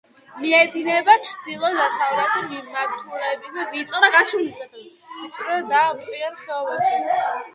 მიედინება ჩრდილო-დასავლეთ მიმართულებით ვიწრო და ტყიან ხეობაში.